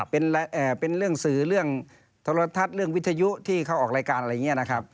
เป็นเรื่องสื่อเรื่องโทรทัศน์เรื่องวิทยุที่เขาออกรายการอะไรอย่างนี้นะครับ